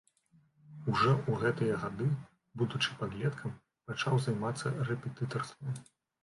Ужо ў гэтыя гады, будучы падлеткам, пачаў займацца рэпетытарствам.